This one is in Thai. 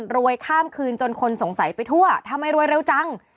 รวยข้ามคืนจนคนสงสัยไปทั่วทำไมรวยเร็วจัง